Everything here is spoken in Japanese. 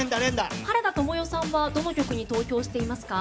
原田知世さんは、どの曲に投票していますか？